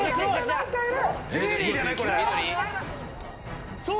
何かいる！